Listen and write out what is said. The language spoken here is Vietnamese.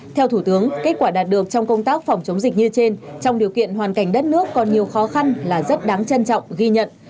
theo thủ tướng kết quả đạt được trong công tác phòng chống dịch như trên trong điều kiện hoàn cảnh đất nước còn nhiều khó khăn là rất đáng trân trọng ghi nhận